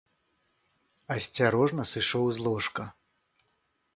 Асцярожна сышоў з ложка.